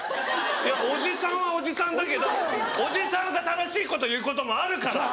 いやおじさんはおじさんだけどおじさんが正しいこと言うこともあるから！